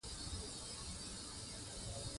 د پښتو ژبې راتلونکی زموږ په لاس کې دی.